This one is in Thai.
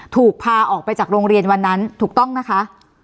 ถูกพาออกไปจากโรงเรียนวันนั้นถูกต้องนะคะ